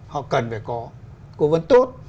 họ cần phải có cố vấn tốt